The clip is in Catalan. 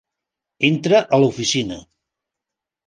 Entra a l'oficina.